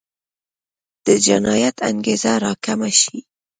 د جنایت انګېزه راکمه شي.